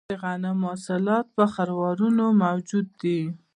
د غنمو حاصلات په خروارونو موجود وي